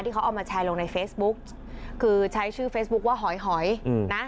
เขาเอามาแชร์ลงในเฟซบุ๊กคือใช้ชื่อเฟซบุ๊คว่าหอยหอยนะ